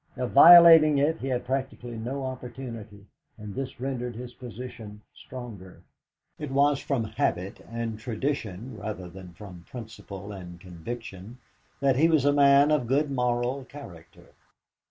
Of violating it he had practically no opportunity, and this rendered his position stronger. It was from habit and tradition rather than from principle and conviction that he was a man of good moral character.